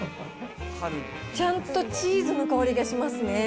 ちゃんとチーズの香りがしますね。